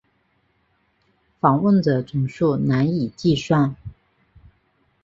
访问者总数难以计算。